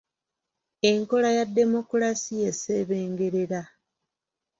Enkola ya demokulasiya esebengerera.